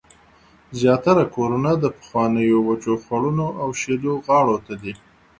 زیاتره کورونه د پخوانیو وچو خوړونو او شیلو غاړو ته